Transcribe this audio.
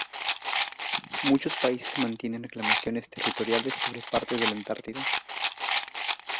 Muchos países mantienen reclamaciones territoriales sobre partes de la Antártida.